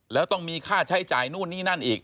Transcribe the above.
แล้วต้องมีค่าใช้จ่ายนู่นนี่นั่นอีก